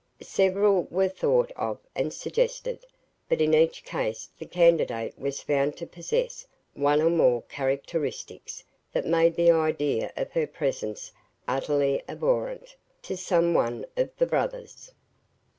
Several were thought of and suggested; but in each case the candidate was found to possess one or more characteristics that made the idea of her presence utterly abhorrent to some one of the brothers.